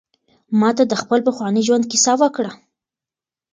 ما ته د خپل پخواني ژوند کیسه وکړه.